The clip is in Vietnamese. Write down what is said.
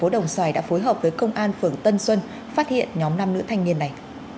công an tp đồng xoài đã phối hợp với công an phường tân xuân phát hiện nhóm nam nữ thanh niên này